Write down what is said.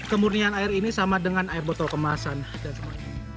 kemurnian air ini sama dengan air botol kemasan dan sebagainya